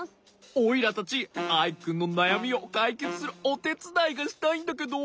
オイラたちアイくんのなやみをかいけつするおてつだいがしたいんだけど。